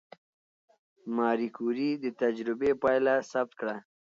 ماري کوري د تجربې پایله ثبت کړه.